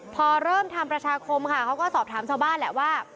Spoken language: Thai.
พอเริ่มทำประชาคมค่ะเขาก็สอบถามชาวบ้านแหละว่า